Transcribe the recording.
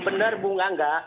benar bu ngangga